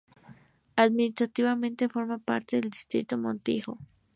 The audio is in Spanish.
Administrativamente forma parte del distrito de Montijo.